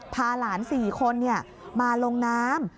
พาหลาน๔คนมาลงน้ำ